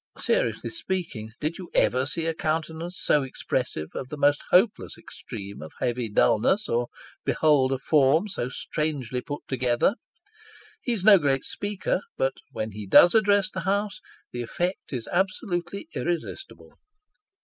Seriously speaking, did you ever see a countenance so expres Jane. 1 19 sive of the most hopeless extreme of heavy dulness, or behold a form so strangely put together ? He is no great speaker ; but when he does address the House, the effect is absolutely irresistible.